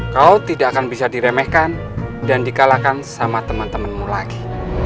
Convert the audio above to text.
kau tidak akan bisa diremehkan dan dikalahkan sama teman temanmu lagi